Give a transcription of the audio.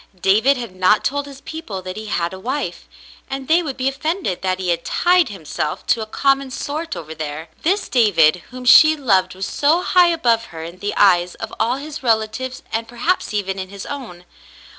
David had not told his people that he had a wife, and they would be offended that he had "tied himself to a common sort over there." This David 282 The Mountain Girl whom she loved was so high above her in the eyes of all his relatives and perhaps even in his own.